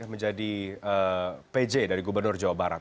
komjen m iryawan dilantik menjadi pj dari gubernur jawa barat